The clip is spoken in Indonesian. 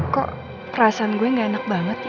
kok perasaan gue gak enak banget ya